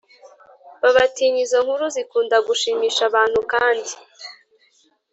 babatinya Izo nkuru zikunda gushimisha abantu kandi